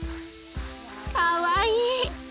かわいい！